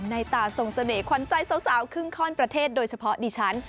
ในตาทรงเสน่หขวัญใจสาวครึ่งข้อนประเทศโดยเฉพาะดิฉัน